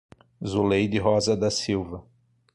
Zuleide Rosa da Silva